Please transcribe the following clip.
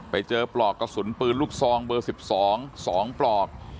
ไปเจอปลอกกระสุนปืนลูกซองเบอร์๑๒สองปลอก